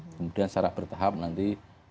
kemudian secara bertahap nanti